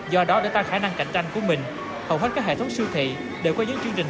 do đó để tăng khả năng cạnh tranh của mình hầu hết các hệ thống siêu thị đều có những chương trình